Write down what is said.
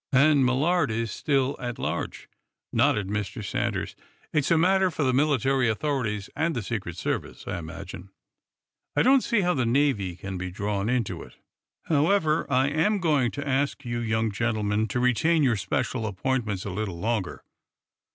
"And Millard is still at large," nodded Mr. Sanders. "It's a matter for the military authorities and the Secret Service, I imagine. I don't see how the Navy can be drawn into it. However, I am going to ask you young gentlemen to retain your special appointments a little longer.